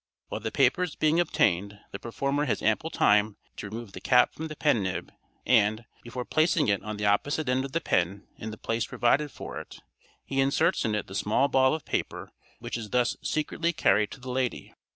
While the paper is being obtained the performer has ample time to remove the cap from the pen nib, and, before placing it on the opposite end of the pen in the place provided for it, he inserts in it the small ball of paper which is thus secretly carried to the lady.